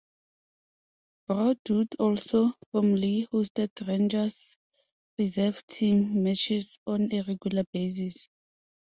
Broadwood also formerly hosted Rangers reserve team matches on a regular basis.